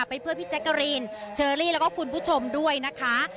ไปเพื่อพี่แจ๊กกะรีนเชอรี่แล้วก็คุณผู้ชมด้วยนะคะ